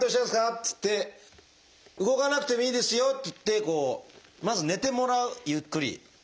っつって「動かなくてもいいですよ」って言ってまず寝てもらうゆっくり。